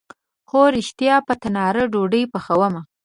هو ریښتیا، په تناره ډوډۍ پخومه